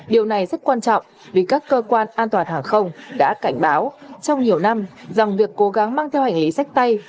điều này rất quan trọng vì các cơ quan an toàn hàng không đã cảnh báo trong nhiều năm rằng việc cố gắng mang theo hành lý sách tay